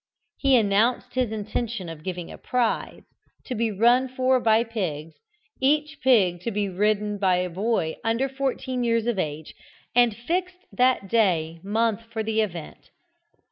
He announced his intention of giving a prize, to be run for by pigs, each pig to be ridden by a boy under fourteen years of age, and fixed that day month for the event.